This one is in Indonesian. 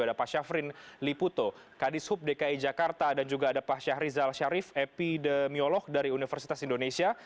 ada pak syafrin liputo kadis hub dki jakarta dan juga ada pak syahrizal syarif epidemiolog dari universitas indonesia